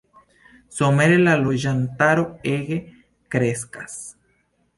Somere la loĝantaro ege kreskas.